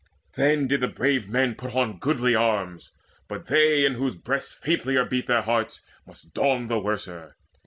Then did the brave man put on goodly arms; But they in whose breasts faintlier beat their hearts Must don the worser.